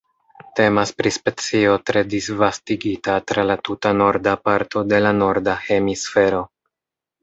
Temas pri specio tre disvastigita tra la tuta norda parto de la Norda Hemisfero.